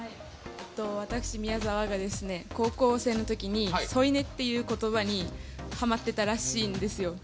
私、宮澤が高校生のときに「添い寝」っていうことばにハマってたらしいんですよ。